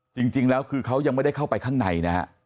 จริงแล้วคือเขายังไม่ได้เข้าไปข้างในนะฮะ